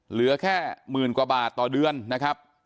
เหลือแค่หมื่นกว่าบาทต่อเดือนนะครับ